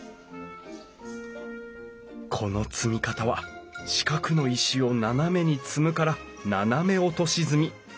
この積み方は四角の石を斜めに積むから斜め落とし積み。